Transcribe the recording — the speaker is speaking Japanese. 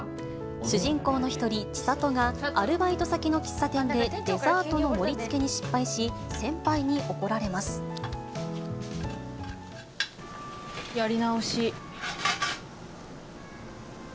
主人公の１人、ちさとが、アルバイト先の喫茶店でデザートの盛りつけに失敗し、先輩に怒らやり直し。